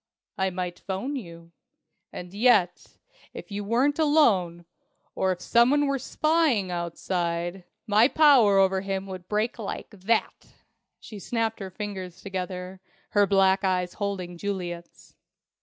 I might 'phone you. And yet, if you weren't alone, or if someone were spying outside, my power over him would break like that!" she snapped her fingers together, her black eyes holding Juliet's.